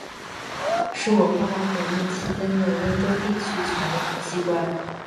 是文化大革命期间的温州地区权力机关。